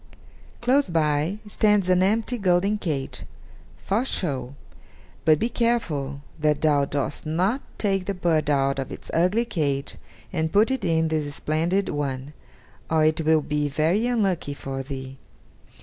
Close by stands an empty golden cage, for show; but be careful that thou dost not take the bird out of its ugly cage and put it in the splendid one, or it will be very unlucky for thee."